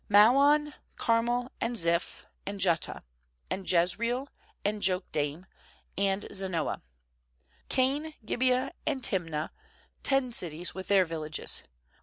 fisMaon, Carmel, and Ziph, and Juttah; Mand Jezreel, and Jokdeam, and Zanoah; 57Kain, Gibeah, and Tim nah; ten cities ^with then: villages.